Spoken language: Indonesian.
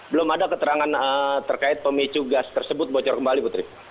belum ada keterangan terkait pemicu gas tersebut bocor kembali putri